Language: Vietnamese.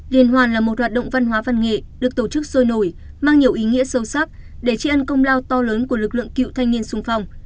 liên hoan là một hoạt động văn hóa văn nghệ được tổ chức sôi nổi mang nhiều ý nghĩa sâu sắc để trị ân công lao to lớn của lực lượng cựu thanh niên sung phong